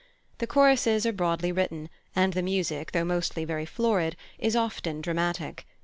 The choruses are broadly written, and the music, though mostly very florid, is often dramatic.